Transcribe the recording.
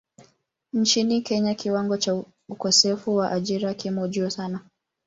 Nchini Kenya kiwango cha ukosefu wa ajira kimo juu sana.